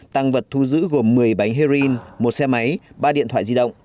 tăng vật thu giữ gồm một mươi bánh heroin một xe máy ba điện thoại di động